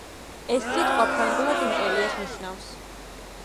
ეს სიტყვა ფრანგულად იმპერიას ნიშნავს.